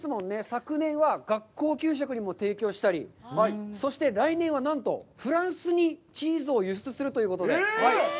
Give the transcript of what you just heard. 昨年は学校給食にも提供したり、そして、来年は何とフランスにチーズを輸出するということで。